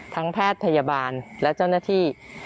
ทั้งแพทยบาลและเจ้าหน้าที่